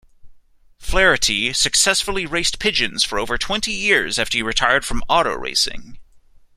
Flaherty successfully raced pigeons for over twenty years after he retired from auto racing.